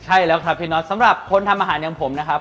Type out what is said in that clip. ใช่แล้วครับพี่น็อตสำหรับคนทำอาหารอย่างผมนะครับ